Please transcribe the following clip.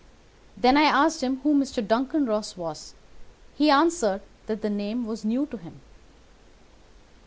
Then I asked him who Mr. Duncan Ross was. He answered that the name was new to him.